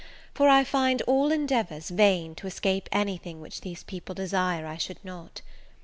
for I find all endeavours vain to escape any thing which these people desire I should not.